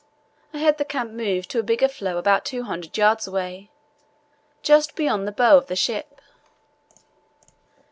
I had the camp moved to a bigger floe about 200 yds. away, just beyond the bow of the ship.